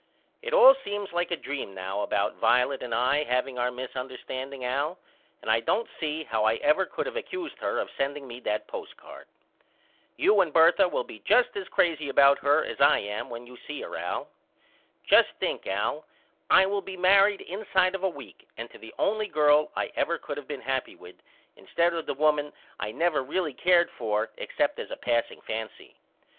It all seems like a dream now about Violet and I haveing our misunderstanding Al and I don't see how I ever could of accused her of sending me that postcard. You and Bertha will be just as crazy about her as I am when you see her Al. Just think Al I will be married inside of a week and to the only girl I ever could of been happy with instead of the woman I never really cared for except as a passing fancy.